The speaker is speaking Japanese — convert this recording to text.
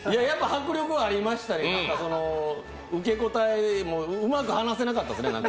迫力ありましたね、受け答えもうまく話せなかったですね。